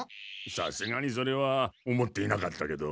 さすがにそれは思っていなかったけど。